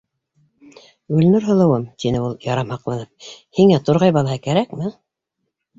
- Гөлнур һылыуым, - тине ул, ярамһаҡланып, - һиңә турғай балаһы кәрәкме?